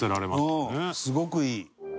すごくいい。